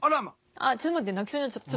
あっちょっと待って泣きそうになっちゃった。